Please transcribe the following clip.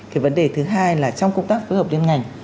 cái vấn đề thứ hai là trong công tác phối hợp liên ngành